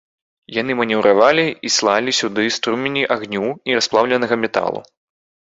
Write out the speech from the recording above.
Яны манеўравалі і слалі сюды струмені агню і расплаўленага металу.